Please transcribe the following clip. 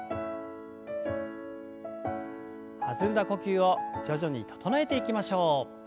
弾んだ呼吸を徐々に整えていきましょう。